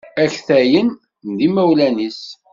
Aktayen n yimawlan-is.